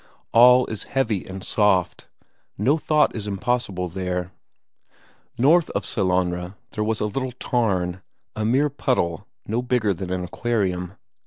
All is heavy and soft, no thought is impossible there. North of Sellanraa there was a little tarn, a mere puddle, no bigger than an aquarium.